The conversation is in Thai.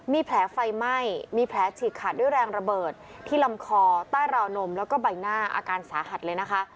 มีแผลไฟไหม้มีแผลฉีกขาดด้วยแรงระเบิดที่ลำคอใต้ราวนมแล้วก็ใบหน้าอาการสาหัสเลยนะคะ